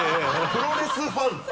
プロレスファンだ。